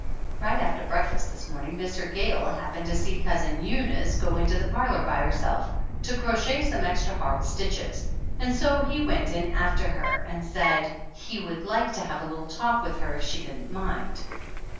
Right after breakfast this morning Mr. Gayle happened to see Cousin Eunice go into the parlor by herself to crochet some extra hard stitches, and so he went in after her and said he would like to have a little talk with her if she didn't mind.